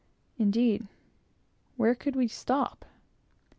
indeed, where could we stop?